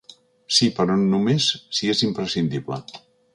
Sí, però només si és imprescindible.